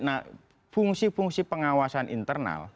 nah fungsi fungsi pengawasan internal